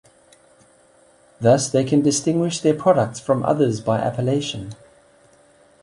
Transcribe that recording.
Thus they can distinguish their products from others by appellation.